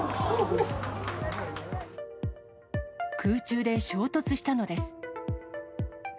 空中で衝突したのです。